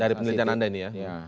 dari penelitian anda ini ya